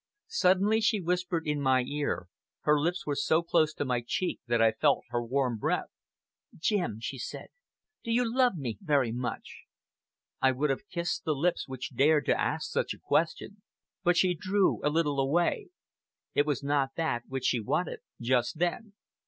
Suddenly she whispered in my ear, her lips were so close to my cheek that I felt her warm breath. "Jim," she said, "do you love me very much?" I would have kissed the lips which dared to ask such a question, but she drew a little away. It was not that which she wanted just then.